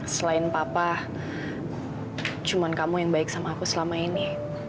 selain papa cuma kamu yang baik sama aku selama ini